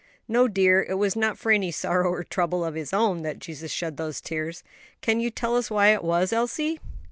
"No, dear; it was not for any sorrow or trouble of His own that Jesus shed those tears. Can you tell us why it was, Elsie?"